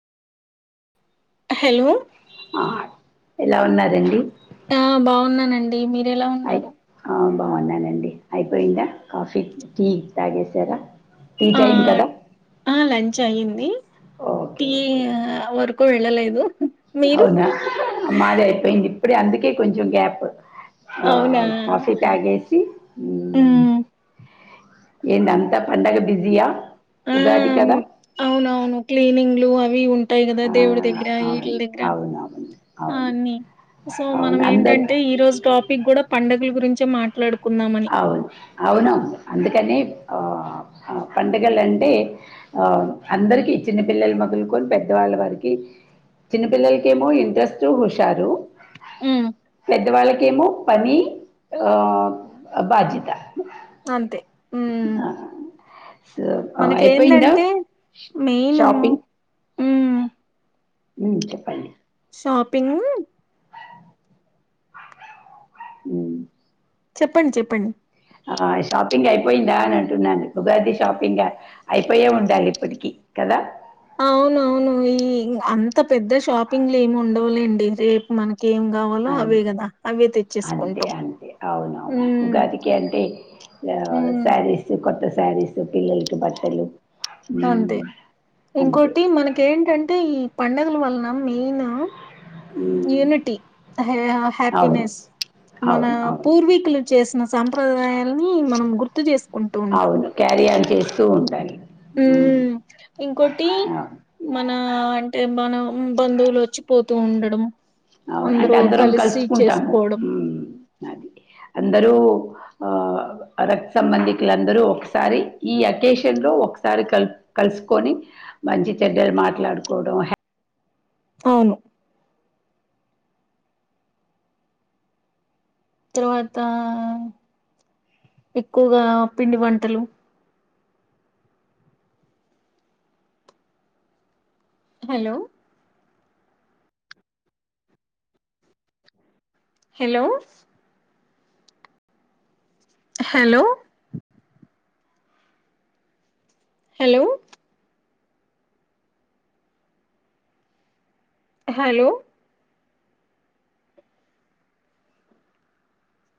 హేలో ఆ ఎలా ఉన్నారండి ఆ బాగున్నానండి మీరు ఎలా అయి ఉన్నారు ఆ బాగున్నానండి అయిపోయిందా కాఫీ టీ తాగేసారా టీ టైం కదా అయింది ఓకే టీ ఓకే వరకు వెళ్ళలేదు మీరు అవునా మాది అయిపోయింది ఇప్పుడే అందుకే కొంచం గ్యాప్ అవునా కాఫీ తాగేసి మ్మ్ ఏంది అంతా పండగ బిజియా అవునవును క్లీనింగ్లు అవి ఉం టైంద్ ఆ దేవుడు దగ్గర ఈట్ల అవును దగ్గర అవునవును అవును అన్ని సో మనం అవును అందరి ఏంటంటే ఈ రోజు టాపిక్ కూడా పండుగల గురించే మాట్లాడుక్ అవును అవును అందుకని ఆ పండుగలు అంటే ఆ అందరికి చిన్నపిల్లలు మొదలుకొని పెద్దవాళ్ళ వారికి చిన్నపిల్లలకేమో ఇంట్రెస్ట్ హుషారు మ్మ్ పెద్దవాళ్ళకేమో పని బాధ్యత అంతే అయిపోయిందా మనకేందంటే మెయిన్ షాపింగ్ మ్మ్ చెప్పండి షాపింగ్ ఉమ్. చెప్పండి చెప్పండి ఆ షాపింగ్ అయిపోయిందా అని అంటున్నాను ఉగాది షాపింగ్ అయిపోయే ఉండాలి ఇప్పడికి కదా అవునవును అంత పెద్ద షాపింగ్ లేమ్ ఉండవులేండి రేపు మనకి ఏం కావాలో అవును అవే కదా అవే అంతే తెచ్చేసుకుంటాం అంతే ఉమ్ సారీస్ కొత్త సారీస్ పిల్లాలకి బట్టలు అంతే మ్మ్ అంతే ఇంకోటి మనకి ఏంటంటే ఈ పండగ వలన మెయిన్ ఉమ్, యూనిటీ అవును హ్యాపీనెస్ మన అవును అవును పూర్వీకులు చేసిన సంంప్రదాయాలని మనం గుర్తు చేసుకుంటూ ఉంటాం అవును క్యారీ ఆన్ చేస్తూ ఉండాలి మ్మ్ ఇంకోటి అవును అంటే మనం బంధువులు వచ్చి పోతూ ఉండడం అవును అంటే అందరూ అందరం కలిసి కలుసుకుంటాము చేసుకోవడం అందరూ రక్త సంబంధికులందరూ ఒకసారి ఈ అకేషన్ లో ఒకసారి కలుస్ కలుసుకొని మంచి చెడ్డలు మాట్లాడుకోవడం హ అవును తర్వాత ఎక్కువగా పిండి వంటలు hello hello hello hello hello